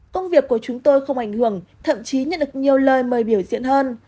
công việc của chúng tôi không ảnh hưởng thậm chí nhận được nhiều lời mời biểu diễn hơn